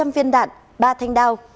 hai trăm linh viên đạn ba thanh đao